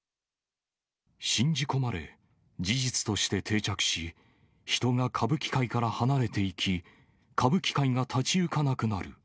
信じ込まれ、事実として定着し、人が歌舞伎界から離れていき、歌舞伎界が立ちゆかなくなる。